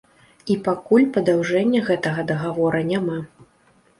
І пакуль падаўжэння гэтага дагавора няма.